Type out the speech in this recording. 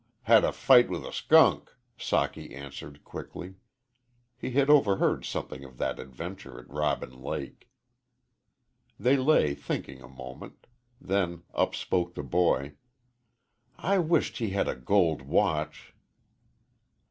"Had a fight with a 'kunk," Socky answered, quickly. He had overheard something of that adventure at Robin Lake. They lay thinking a moment. Then up spoke the boy. "I wisht he had a gold watch."